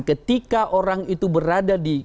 ketika orang itu berada di